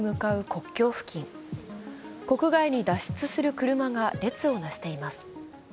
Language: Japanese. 国外に脱出する車が列をなしています。